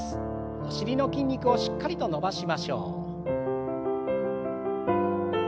お尻の筋肉をしっかりと伸ばしましょう。